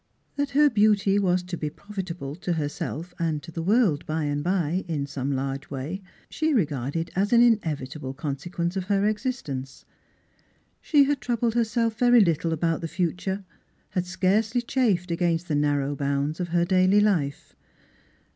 That her beauty was to be profitable to herself and to the world by and by in some large way, she regarded as an inevitable consequence of her existence. She had troubled herself very little about the future; had scarcely chafed against the narrow bounds of her daily life.